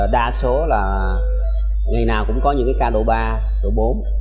đa số là ngày nào cũng có những ca độ ba độ bốn